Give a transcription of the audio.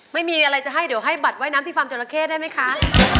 ไม่มีอะไรจะให้เดี๋ยวให้บัตรว่ายน้ำที่ฟาร์มจราเข้ได้ไหมคะ